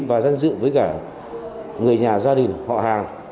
và danh dự với cả người nhà gia đình họ hàng